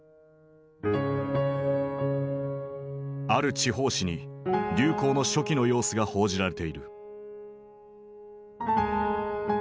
ある地方紙に流行の初期の様子が報じられている。